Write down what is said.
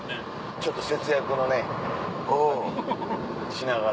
ちょっと節約のね旅しながら。